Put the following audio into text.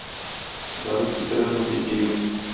Ярый, китерермен, - диде егет.